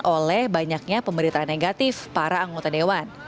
oleh banyaknya pemberitaan negatif para anggota dewan